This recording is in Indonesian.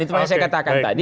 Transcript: itu makanya saya katakan tadi